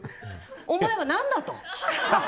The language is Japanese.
お前は何だと。